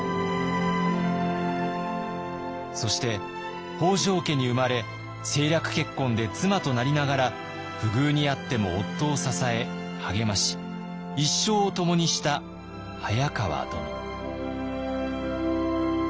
そして北条家に生まれ政略結婚で妻となりながら不遇にあっても夫を支え励まし一生を共にした早川殿。